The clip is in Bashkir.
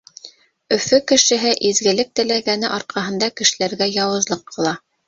Өфө кешеһе изгелек теләгәне арҡаһында кешеләргә яуызлыҡ ҡыла.